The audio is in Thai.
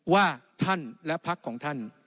ว่าท่านและพักของท่าน